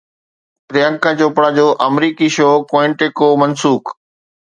پريانڪا چوپڙا جو آمريڪي show Quantico منسوخ